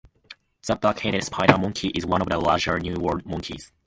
The black-headed spider monkey is one of the larger New World monkeys.